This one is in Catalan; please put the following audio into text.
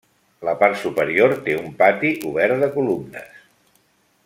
La part superior té un pati obert de columnes.